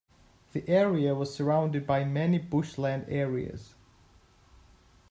The area was surrounded by many bush land areas.